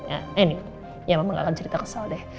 anyway ya mama gak akan cerita kesal deh